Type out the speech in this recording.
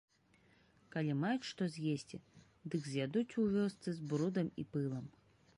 Калі маюць што з'есці, дык з'ядуць у вёсцы з брудам і пылам.